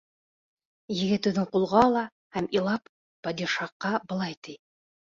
Егет үҙен ҡулға ала һәм, илап, падишаһҡа былай ти: